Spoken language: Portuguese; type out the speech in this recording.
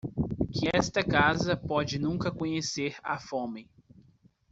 Que esta casa pode nunca conhecer a fome.